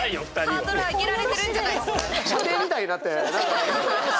これハードル上げられてるんじゃないっすか？